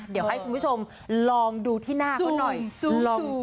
เดี๋ยวให้คุณผู้ชมลองดูที่หน้าเขาหน่อยลองดู